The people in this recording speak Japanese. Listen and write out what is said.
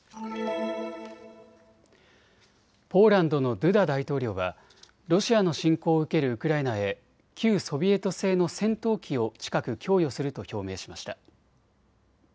ポーランドのドゥダ大統領はロシアの侵攻を受けるウクライナへ旧ソビエト製の戦闘機を近く供与すると表明しました。